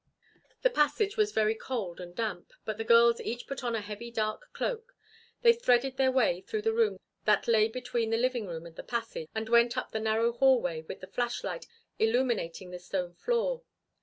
The passage was very cold and damp, and the girls each put on a heavy, dark cloak. They threaded their way through the rooms that lay between the living room and the passage, and went up the narrow hallway with the flashlight illuminating the stone floor.